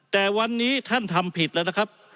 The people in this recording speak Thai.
แต่วันนี้ท่านทำผิดแล้วนะครับ